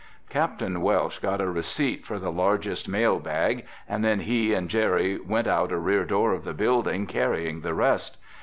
Capt. Welsh got a receipt for the largest mail bag, and then he and Jerry went out a rear door of the building carrying the rest.